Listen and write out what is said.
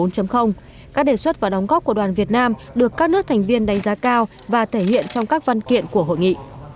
các đề xuất và đóng góp của đoàn việt nam được các nước thành viên đánh giá cao và thể hiện trong các văn kiện của hội nghị